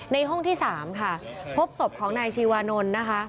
ในห้องที่๓ค่ะพบศพของนายชีวานนท์นะคะ